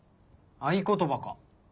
合言葉か。